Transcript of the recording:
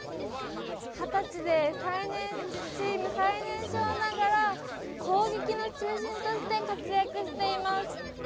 二十歳で、チーム最年少ながら攻撃の中心として活躍しています。